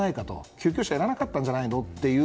救急車、いらなかったんじゃ？という